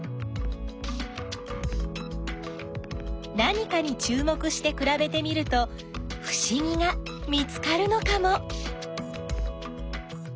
何かにちゅう目してくらべてみるとふしぎが見つかるのかも！？